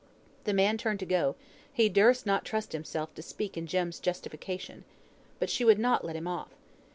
The man turned to go; he durst not trust himself to speak in Jem's justification. But she would not let him off.